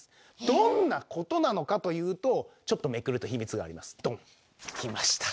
どんなことなのかというとちょっとめくると秘密がありますドン。来ました